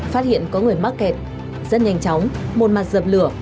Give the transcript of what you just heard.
phát hiện có người mắc kẹt rất nhanh chóng một mặt dập lửa